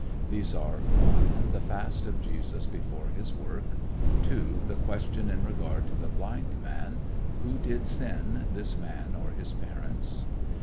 These are: (1) The fast of Jesus before his work; (2) The question in regard to the blind man "Who did sin, this man, or his parents"?